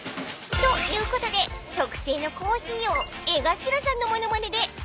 ［ということで特製のコーヒーを江頭さんの物まねで］